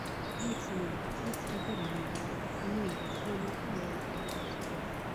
هېڅ نه، هېڅ خبره نه ده، نه، خامخا یوه خبره شته.